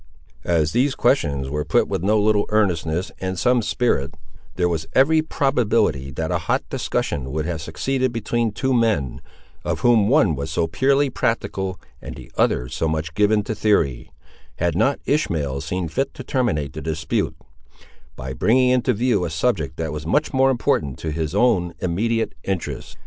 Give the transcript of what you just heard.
As these questions were put with no little earnestness and some spirit, there was every probability that a hot discussion would have succeeded between two men, of whom one was so purely practical and the other so much given to theory, had not Ishmael seen fit to terminate the dispute, by bringing into view a subject that was much more important to his own immediate interests.